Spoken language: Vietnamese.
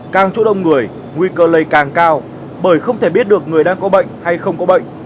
càng chỗ đông người nguy cơ lây càng cao bởi không thể biết được người đang có bệnh hay không có bệnh